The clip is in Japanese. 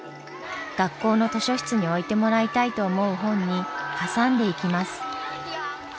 学校の図書室に置いてもらいたいと思う本に挟んでいきます。